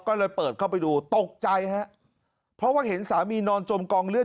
ก็เลยเปิดเข้าไปดูตกใจฮะเพราะว่าเห็นสามีนอนจมกองเลือด